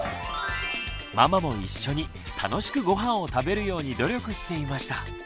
ママも一緒に楽しくごはんを食べるように努力していました。